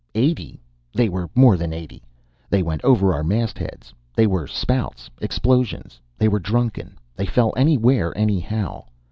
Eighty! They were more than eighty. They went over our mastheads. They were spouts, explosions. They were drunken. They fell anywhere, anyhow.